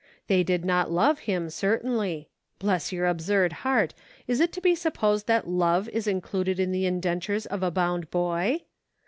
They did not love him, cer tainly. Bless your absurd heart ! is it to be sup posed that love is included in the indentures of a bound boy."